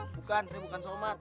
bukan saya bukan somat